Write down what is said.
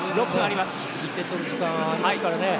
１点取る時間はありますからね。